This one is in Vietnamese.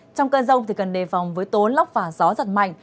trong cơn rông cần đề phòng với tố lốc và gió giật mạnh